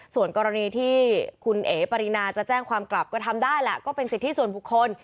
ส่วนกรณีที่คุณเอ๋ปรินาจะแจ้งความกลับก็ทำได้แหละก็เป็นสิทธิส่วนบุคคล